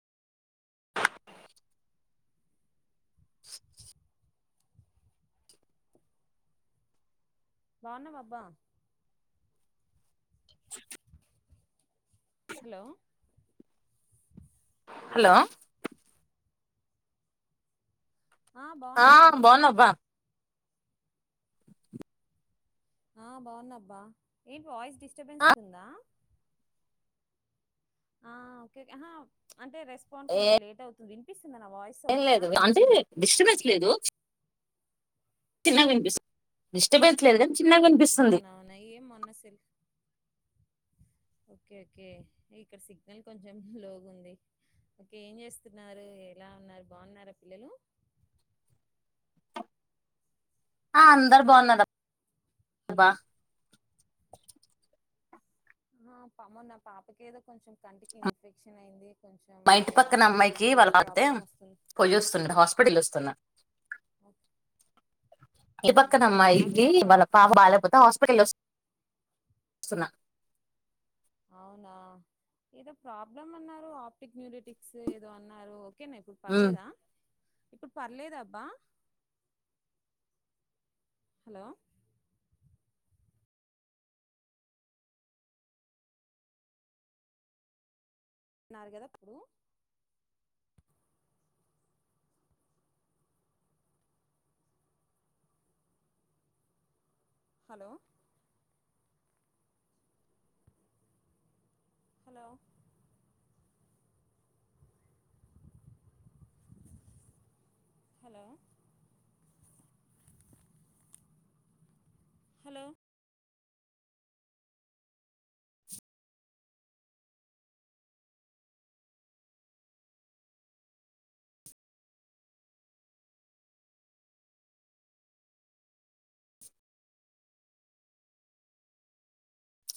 బాగున్న బాబ్బా hello hello ఆ బానబ్బా ఆ బాగున్నాబ్బా ఏంటి వాయిస్ డిస్టర్బెన్స్ ఆ, ఉందా ఆ ఓకే అహ అంటే రెస్పాండ్ కొంచెం లేట్ అవుతుంది వినిపిస్తుంద నా వాయిస్ ఏం ఓకేనా చిన్నగ వినిపిస్ డిస్టర్బ్ లేదే అవునవునా ఏం మొన్న సెల్ ఓకే ఓకే ఇక్కడ సిగ్నల్ కొంచెం లోగు ఉంది. ఓకే ఏం చేస్తున్నారు. ఎలా ఉన్నారు. బాగున్నారా పిల్లలు. ఆ అందరు బాగున్నార్ హలో బా ఆ పామ్మ నా పాపకి ఏదో కొంచెం కంటికి ఇన్ఫెక్షన్ అయింది. కొంచెం మా ఇంటి ఏదో పక్కన ఆప్టిక్ అమ్మాయికి వాళ్ళ న్యూరిటిక్స్ పాపయితే ప్రాబ్లం వస్తుంది కొయి వస్తుంది. హాస్పిటల్ వస్తున్న ఓకే, ఇంటి అవునా పక్కన అదే అమ్మాయికి ఆప్ వాళ్ళ పాప బాలేకపోతే హాస్పిటల్ వస్తు ఇస్తున్నా అవునా ఏదో ప్రాబ్లమ్ అన్నారు ఆప్టిక్ న్యూరిటిక్స్ ఏదో అన్నారు ఓకేనా ఇప్పుడు ఉమ్, పర్లేదా ఇప్పుడు పర్లేదు అబ్బా హలో అన్నారు కదా అప్పుడు హలో హలో హలో హలో